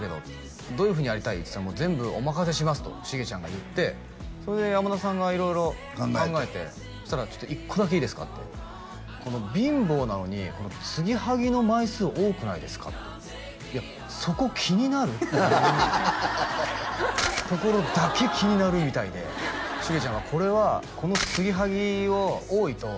「どういうふうにやりたい？」っつったら「全部お任せします」とシゲちゃんが言ってそれでやまださんが色々考えてそしたら「一個だけいいですか」って「貧乏なのにこのつぎはぎの」「枚数多くないですか」って「いやそこ気になる？」っていうところだけ気になるみたいでシゲちゃんは「これはこのつぎはぎ多いと」